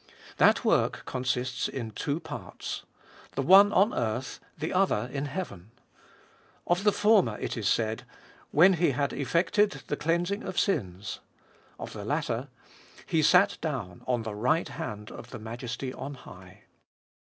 That work consists in two parts : the one on earth, the other in heaven. Of the former it is said, When He had effected the cleansing of sins; of the latter, He sat down on the right hand of the Majesty on high.